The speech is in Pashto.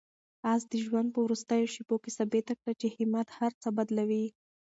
آس د ژوند په وروستیو شېبو کې ثابته کړه چې همت هر څه بدلوي.